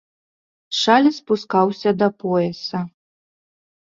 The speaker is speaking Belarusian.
Шаль спускаўся да пояса.